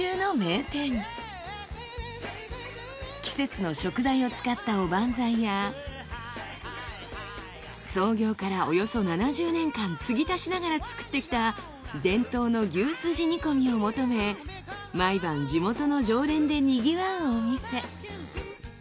季節の食材を使ったおばんざいや創業からおよそ７０年間注ぎ足しながら作ってきた伝統の牛すじ煮込みを求め毎晩地元の常連でにぎわうお店。